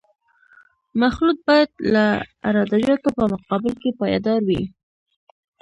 مخلوط باید د عراده جاتو په مقابل کې پایدار وي